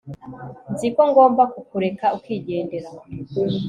nzi ko ngomba kukureka ukigendera